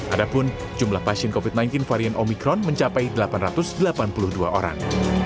adapun jumlah pasien covid sembilan belas varian omikron mencapai delapan ratus delapan puluh dua orang